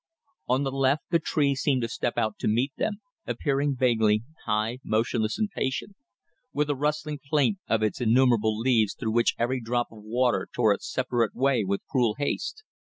On the left the tree seemed to step out to meet them, appearing vaguely, high, motionless and patient; with a rustling plaint of its innumerable leaves through which every drop of water tore its separate way with cruel haste.